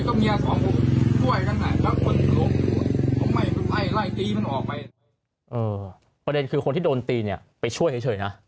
ประเด็นคือยังคือคนที่โดนตีไปช่วยเฉยนะ